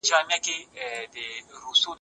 انلاین غونډې د وخت د ضایع کېدو مخه نیسي.